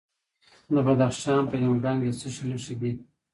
د بدخشان په یمګان کې د څه شي نښې دي؟